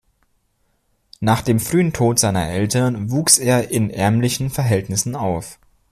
Nach dem frühen Tod seiner Eltern wuchs er in ärmlichen Verhältnissen auf.